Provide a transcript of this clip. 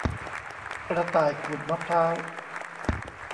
กระต่ายขูดมะพร้าว